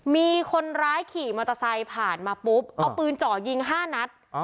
มีคนร้ายขี่มอเตอร์ไซค์ผ่านมาปุ๊บเอาปืนเจาะยิง๕นัด